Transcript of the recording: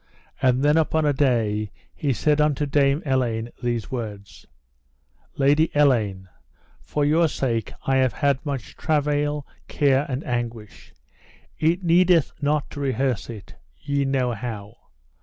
And then upon a day he said unto Dame Elaine these words: Lady Elaine, for your sake I have had much travail, care, and anguish, it needeth not to rehearse it, ye know how.